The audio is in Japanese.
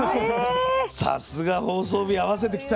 さすが放送日合わせてきた。